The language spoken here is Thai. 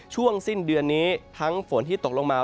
ช่วงสิ้นเดือนนี้ทั้งฝนที่ตกลงมา